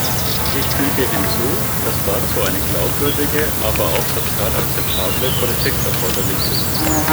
Ich füge hinzu, dass dazu eine glaubwürdige, aber auch sozial akzeptable Politik erforderlich ist.